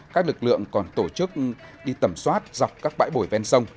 các lực lượng còn tổ chức đi tẩm soát dọc các bãi bồi ven sông